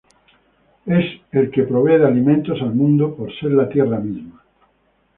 Es el que provee de alimentos al mundo, por ser la tierra misma.